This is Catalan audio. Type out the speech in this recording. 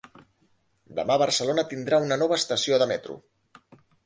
Demà Barcelona tindrà una nova estació de metro